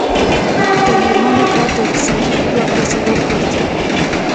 د میرمنو کار د اقتصادي خپلواکۍ سبب ګرځي.